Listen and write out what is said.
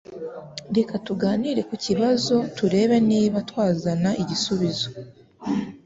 Reka tuganire kukibazo turebe niba twazana igisubizo.